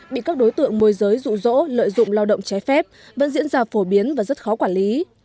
bị các đối tượng môi giới rụ rỗ lợi dụng lao động trái phép vẫn diễn ra phổ biến và rất khó quản lý